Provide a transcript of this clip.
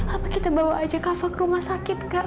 apa kita bawa aja kava ke rumah sakit kak